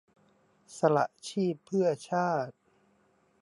สละชีพเพื่อชาติ